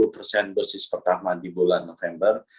dua puluh persen dosis pertama di bulan november